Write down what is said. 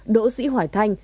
đỗ sĩ hỏi thanh